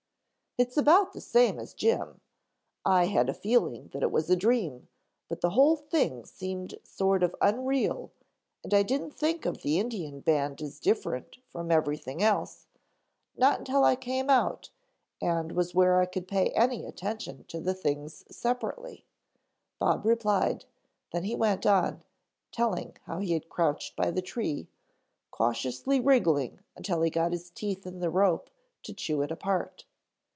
"It's about the same as Jim. I had a feeling that it was a dream, but the whole thing seemed sort of unreal and I didn't think of the Indian band as different from everything else, not until I came out and was where I could pay any attention to the things separately," Bob replied, then he went on telling how he had crouched by the tree, cautiously wriggling until he got his teeth in the rope to chew it apart.